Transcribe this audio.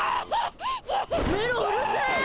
メロ、うるせー！